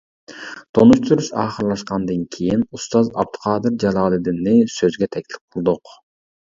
تونۇشتۇرۇش ئاخىرلاشقاندىن كېيىن، ئۇستاز ئابدۇقادىر جالالىدىننى سۆزگە تەكلىپ قىلدۇق.